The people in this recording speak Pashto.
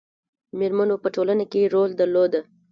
میرمنو په ټولنه کې رول درلود